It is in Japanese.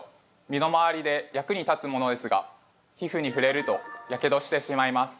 身の回りで役に立つものですが皮ふにふれるとヤケドしてしまいます。